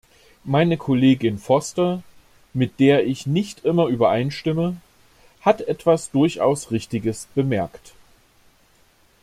Meine Kollegin Foster, mit der ich nicht immer übereinstimme, hat etwas durchaus Richtiges bemerkt.